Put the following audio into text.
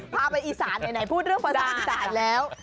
พาไปอีสานไหนพูดเรื่องภาษาอีสานแล้ว